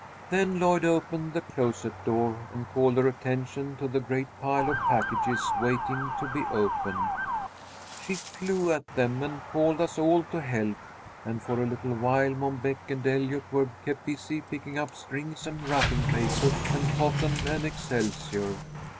"Then Lloyd opened the closet door and called her attention to the great pile of packages waiting to be opened. She flew at them and called us all to help, and for a little while Mom Beck and Eliot were kept busy picking up strings and wrapping paper and cotton and excelsior.